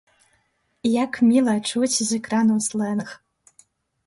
Як міла чуць з экрану слэнг!